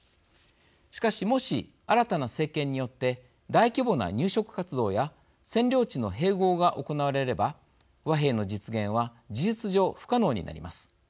しかし、もし新たな政権によって大規模な入植活動や占領地の併合が行われれば和平の実現は事実上、不可能になります。